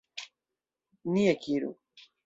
Ni ekiru!